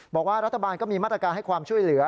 บอกว่ารัฐบาลก็มีมาตรการให้ความช่วยเหลือ